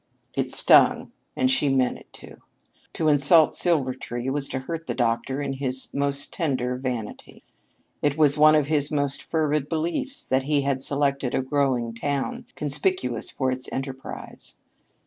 It stung and she had meant it to. To insult Silvertree was to hurt the doctor in his most tender vanity. It was one of his most fervid beliefs that he had selected a growing town, conspicuous for its enterprise.